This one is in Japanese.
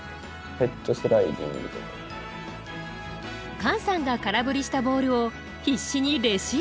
カンさんが空振りしたボールを必死にレシーブする場面。